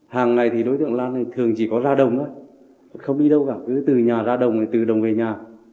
hàng ngày thì đối tượng lan thường chỉ có ra đồng thôi không đi đâu cả cứ từ nhà ra đồng này từ đồng về nhà